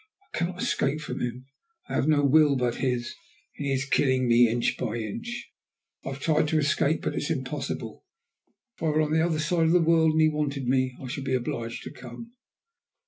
I cannot escape from him. I have no will but his, and he is killing me inch by inch. I have tried to escape, but it is impossible. If I were on the other side of the world and he wanted me I should be obliged to come."